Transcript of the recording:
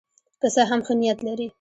که څه هم ښه نیت لري.